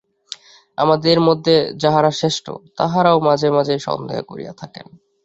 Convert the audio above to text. আমাদের মধ্যে যাঁহারা শ্রেষ্ঠ, তাঁহারাও মাঝে মাঝে সন্দেহ করিয়া থাকেন।